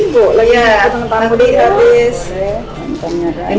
ibu saya tuh penasaran ya karena